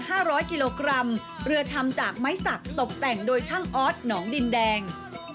ร้อยกิโลกรัมเรือทำจากไม้สักตกแต่งโดยช่างออสหนองดินแดง